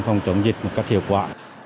phòng chống dịch một cách hiệu quả